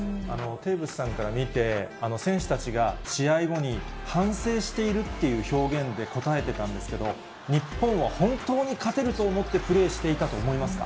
テーブスさんから見て、選手たちが試合後に、反省しているっていう表現で答えてたんですけど、日本は本当に勝てると思ってプレーしていたと思いますか？